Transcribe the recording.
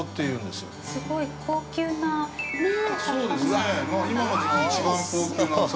◆すごい高級なお魚？